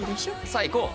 さあ行こう！